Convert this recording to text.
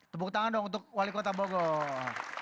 tepuk tangan dong untuk wali kota bogor